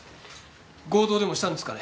強盗でもしたんですかね？